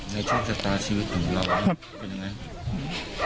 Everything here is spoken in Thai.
ในช่วงจัดตาชีวิตของรุงลาวันเป็นยังไง